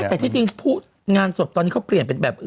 แต่ที่จริงผู้งานศพตอนนี้เขาเปลี่ยนเป็นแบบ